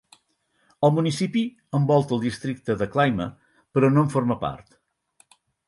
El municipi envolta el districte de Clymer, però no en forma part.